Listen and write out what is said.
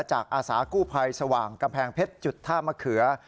จากอาศากูภัยสว่างกำแพงเพชรจุธามะเขือ